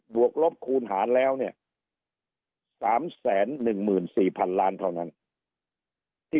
บวกลบคูณหาแล้วเนี่ย๓แสนหนึ่งหมื่นสี่พันล้านเท่านั้นที่